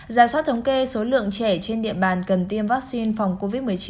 giả soát thống kê số lượng trẻ trên địa bàn cần tiêm vaccine phòng covid một mươi chín